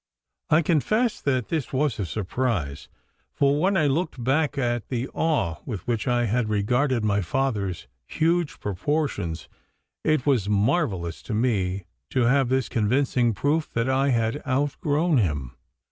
I confess that this was a surprise, for when I looked back at the awe with which I had regarded my father's huge proportions, it was marvellous to me to have this convincing proof that I had outgrown him.